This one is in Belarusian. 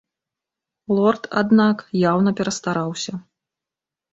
Лорд, аднак, яўна перастараўся.